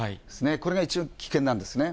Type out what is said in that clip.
これが一番危険なんですね。